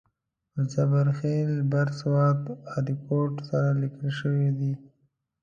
په زبر خېل بر سوات ارکوټ سره لیکل شوی دی.